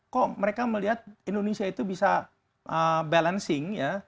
kok mereka melihat indonesia itu bisa balancing ya